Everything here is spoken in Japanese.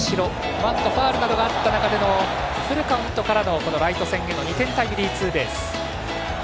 バント、ファウルなどがあった中フルカウントからのライト線への２点タイムリーツーベース。